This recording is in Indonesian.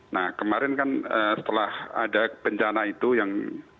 nah kemarin kan setelah ada bencana itu yang